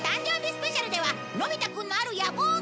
スペシャルではのび太くんのある野望が！